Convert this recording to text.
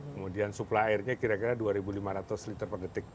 kemudian suplai airnya kira kira dua lima ratus liter per detik